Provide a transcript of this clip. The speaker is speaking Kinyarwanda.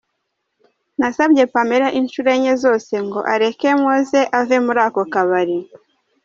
"Nasabye Pamela inshuro enye zose ngo areke Mowzey ave muri ako kabari.